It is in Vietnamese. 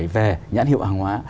về nhãn hiệu hàng hóa